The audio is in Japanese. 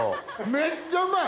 めっちゃうまい。